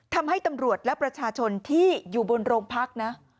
ทำให้ตำรวจและประชาชนที่อยู่บนโรงพักนะ